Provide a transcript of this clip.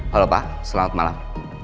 halo pak selamat malam